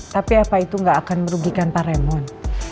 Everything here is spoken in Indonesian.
tapi apa itu nggak akan merugikan pak remon